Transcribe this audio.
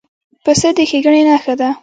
پسه د ښېګڼې نښه ده.